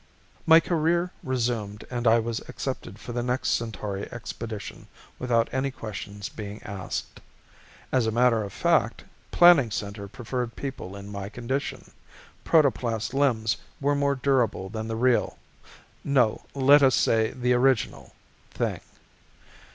My career resumed and I was accepted for the next Centauri Expedition without any questions being asked. As a matter of fact, Planning Center preferred people in my condition; protoplast limbs were more durable than the real no, let us say the original thing.